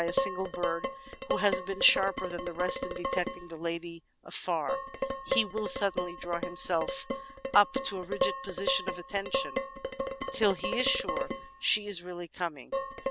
tbe neat iuc! Natural History 435 single bird, who has been sharper than the rest in detecting the lady afar off •.. he will suddenly draw himself up to a rigid position of attention, till he is sure she is really coming.